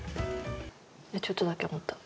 ちょっとだけ思った。